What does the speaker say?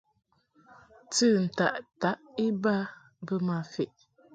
Tɨ ntaʼ ntaʼ iba bə ma feʼ.